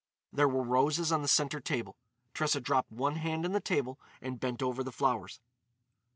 There were roses on the centre table. Tressa dropped one hand on the table and bent over the flowers.